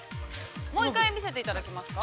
◆もう一回見せていただきますか。